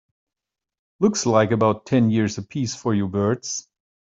Looks like about ten years a piece for you birds.